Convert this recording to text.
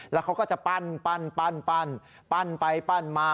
แล้วเขาก็จะปั้นปั้นปั้นปั้นปั้นไปปั้นมา